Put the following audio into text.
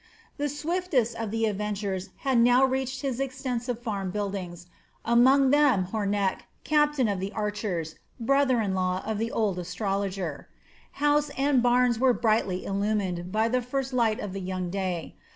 The swiftest of the avengers had now reached his extensive farm buildings, among them Hornecht, captain of the archers, brother in law of the old astrologer. House and barns were brightly illumined by the first light of the young day.